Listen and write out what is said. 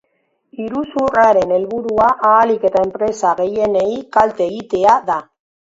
Iruzurraren helburua, ahalik eta enpresa gehienei kalte egitea da.